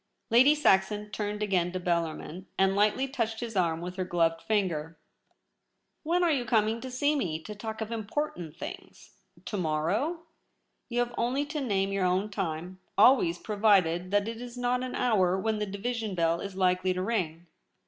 Lady Saxon turned again to Bellarmin, and lightly touched his arm with her gloved finger. * When are you coming to see me, to talk of Important things ? To morrow ?'' You have only to name your own time, always provided that It Is not an hour when the division bell is likely to ring.'